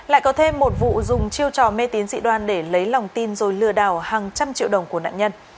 lại có thêm một vụ dùng chiêu trò mê tín dị đoan để lấy lòng tin rồi lừa đảo hàng trăm triệu đồng của nạn nhân